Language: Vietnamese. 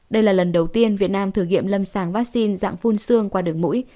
đây là lần đầu tiên việt nam thử nghiệm lâm sàng vaccine dạng phun xương qua đường mũi